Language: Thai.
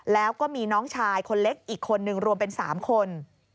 แล้วก็มีน้องชายคนเล็กอีกคนนึงรวมเป็น๓คน